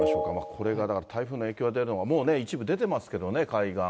これがだから台風の影響が出るのが、もうね、一部出てますけどね、海岸。